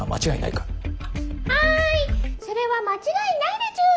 はいそれは間違いないでちゅ。